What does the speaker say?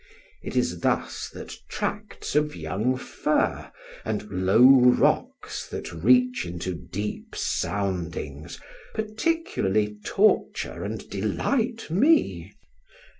It is thus that tracts of young fir, and low rocks that reach into deep soundings, particularly torture and delight me.